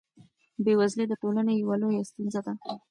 بېوزلي د ټولنې یوه لویه ستونزه ده.